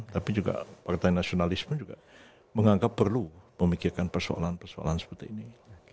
tapi juga partai nasionalisme juga menganggap perlu memikirkan persoalan persoalan seperti ini